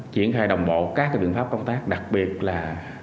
triển khai đồng bộ các biện pháp công tác đặc biệt là